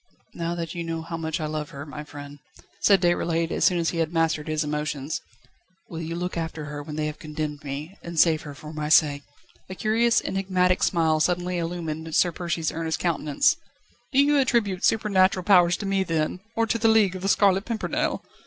"Now that you know how much I love her, my friend," said Déroulède as soon as he had mastered his emotions, "will you look after her when they have condemned me, and save her for my sake?" A curious, enigmatic smile suddenly illumined Sir Percy's earnest countenance. "Save her? Do you attribute supernatural powers to me, then, or to The League of The Scarlet Pimpernel?"